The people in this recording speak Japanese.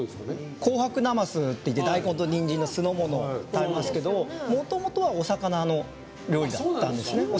紅白なますっていって大根とニンジンの酢の物がありますけどももともとはお魚の料理だったんですね。